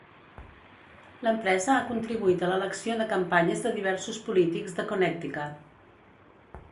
L'empresa ha contribuït a l'elecció de campanyes de diversos polítics de Connecticut.